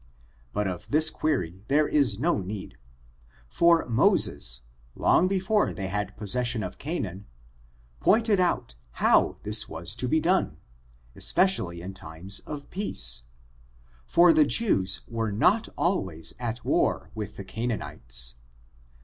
But of this query there is no need ; for Moses^ long before they had possession of Canaan, pointed out how this was to be done, especially in times otpeace^ for the Jews were not always at war with the Ca* naanites.